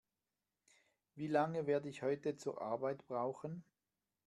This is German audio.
Wie lange werde ich heute zur Arbeit brauchen?